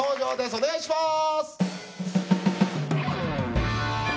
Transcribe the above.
お願いします！